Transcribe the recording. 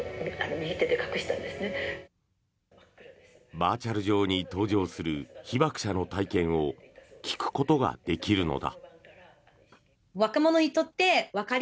バーチャル上に登場する被爆者の体験を聞くことができるのだ。